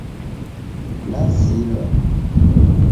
Nasilwa.